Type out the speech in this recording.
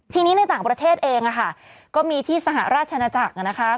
ทีนี้ในต่างประเทศเองก็มีที่สหราชนาจักรนะคะ